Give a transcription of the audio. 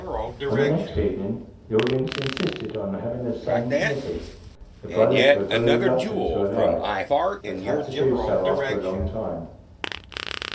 On the next evening, the audience insisted on having the same committee; the Brothers were very reluctant to allow it, but had to do so after a long time.